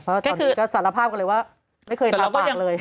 เพราะตอนนี้ก็สารภาพกันเลยว่าไม่เคยรับปากเลย